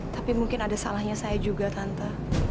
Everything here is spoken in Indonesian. tapi mungkin ada salahnya saya juga tante